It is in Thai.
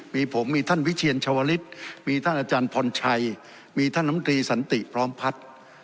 มีผมมีท่านวิเชียรชาวลิศมีท่านอาจารย์พรชัยมีท่านน้ำตรีสันติพร้อมพัฒน์